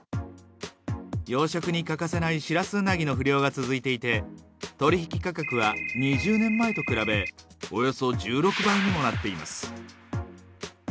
養殖に欠かせないシラスウナギの不漁が続いていて、取引価格は２０年前と比べ、およそ１６倍にもになっています。